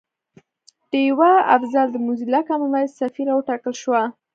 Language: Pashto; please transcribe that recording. ډیوه افضل د موزیلا کامن وایس سفیره وټاکل شوه